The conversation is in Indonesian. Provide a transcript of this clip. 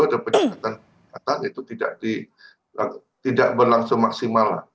ada penyekatan itu tidak berlangsung maksimal